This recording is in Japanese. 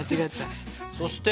そして？